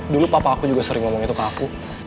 dulu papa aku juga sering ngomong itu ke aku